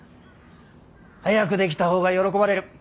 早く出来た方が喜ばれる。